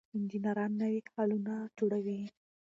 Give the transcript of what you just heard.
انجنیران نوي حلونه جوړوي.